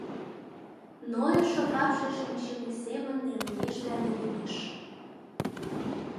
Нойышо капше шинчыме семын нелемеш да нелемеш.